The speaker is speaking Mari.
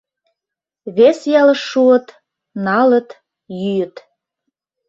Вес ялыш шуыт — налыт, йӱыт.